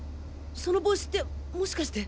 その帽子ってもしかして。